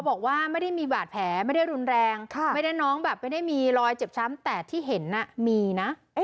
บอกว่าไม่ได้มีบาดแผลไม่ได้รุนแรงไม่ได้น้องแบบไม่ได้มีรอยเจ็บช้ำแต่ที่เห็นมีนะ